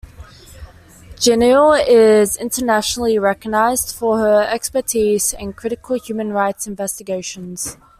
Jilani is internationally recognised for her expertise in critical human rights investigations.